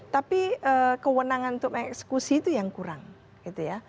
tapi kewenangan untuk eksekusi itu yang kurang gitu ya